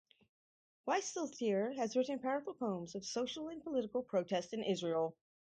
Wieseltier has written powerful poems of social and political protest in Israel.